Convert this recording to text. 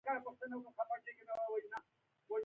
هغه څه چې ویاړمن و، په هغه کې ویاړ پاتې نه و.